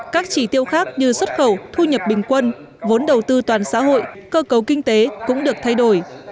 các chỉ tiêu khác như xuất khẩu thu nhập bình quân vốn đầu tư toàn xã hội cơ cấu kinh tế cũng được thay đổi